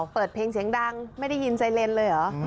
เปิดเพลงเสียงดังไม่ได้ยินไซเรนเลยเหรอ